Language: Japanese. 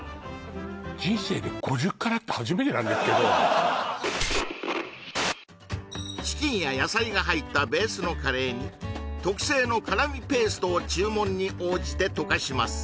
はいなんですけどチキンや野菜が入ったベースのカレーに特製の辛味ペーストを注文に応じて溶かします